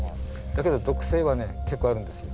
だけど毒性はね結構あるんですよ。